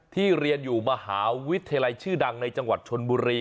เรียนอยู่มหาวิทยาลัยชื่อดังในจังหวัดชนบุรี